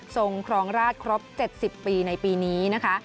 ครองราชครบ๗๐ปีในปีนี้นะคะ